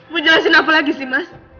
mau jelasin apa lagi sih mas